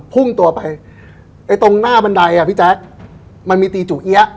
พุ่งตัวไปไอ้ตรงหน้าบันไดอ่ะพี่แจ๊คมันมีตีจุเอี๊ยะ